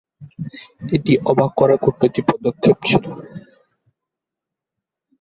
এটি একটি অবাক করা কূটনৈতিক পদক্ষেপ ছিল।